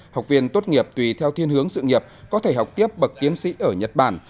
học viên tốt nghiệp tùy theo thiên hướng sự nghiệp có thể học tiếp bậc tiến sĩ ở nhật bản